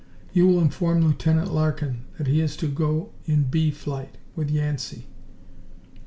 You will inform Lieutenant Larkin that he is to go in B Flight, with Yancey."